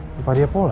mampak dia pola